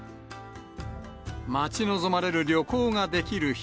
待ち望まれる旅行ができる日。